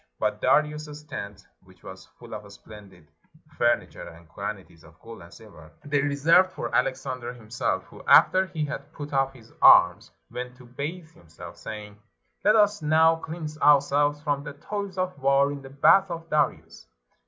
But Darius's tent, which was full of splendid fur 366 THE LAST KING OF PERSIA niture, and quantities of gold and silver, they reserved for Alexander himself, who after he had put off his arms, went to bathe himself, saying, " Let us now cleanse our selves from the toils of war in the bath of Darius."